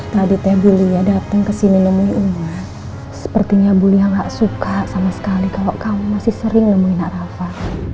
tadi teh bulia datang kesini nemuin sepertinya bulia nggak suka sama sekali kalau kamu masih sering nemuin arafah